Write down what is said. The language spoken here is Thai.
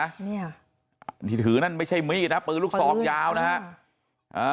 ของพิเชษนะฮะบ้านนี้นะที่ถือนั่นไม่ใช่มีดนะปืนลูกซองยาวนะฮะ